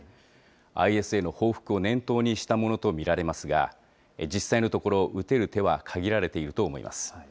ＩＳへの報復を念頭にしたものと見られますが、実際のところ、打てる手は限られていると思います。